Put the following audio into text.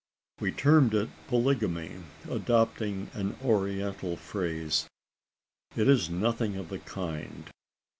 We term it polygamy adopting an oriental phrase. It is nothing of the kind.